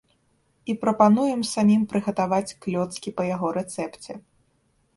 І прапануе самім прыгатаваць клёцкі па яго рэцэпце.